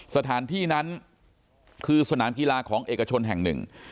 สถานที่นั้นคือสนามกีฬาของเอกชนแห่งหนึ่ง